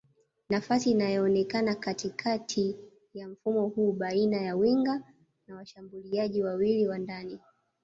Nafasi inayoonekana katikati ya mfumo huu baina ya winga na washambuliaji wawili wa ndani